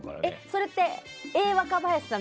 それってＡ若林さん